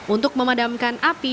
untuk memadamkan api